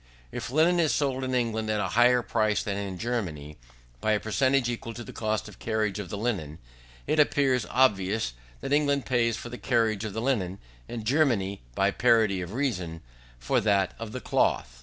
If linen is sold in England at a higher price than in Germany, by a per centage equal to the cost of carriage of the linen, it appears obvious that England pays for the carriage of the linen, and Germany, by parity of reason, for that of the cloth.